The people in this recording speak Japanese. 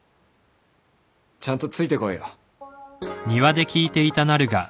ちゃんとついてこいよ。